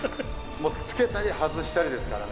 つけたり外したりですからね。